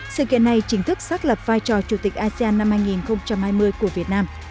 sự kiện này chính thức xác lập vai trò chủ tịch asean năm hai nghìn hai mươi của việt nam